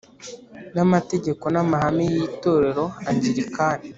n amategeko n amahame y Itorero Angilikani